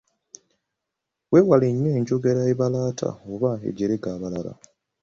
Weewale nnyo enjogera ebalaata oba ejerega abalala.